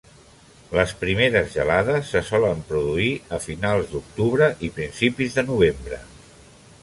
Les primeres gelades se solen produir a finals d'Octubre i principis de Novembre.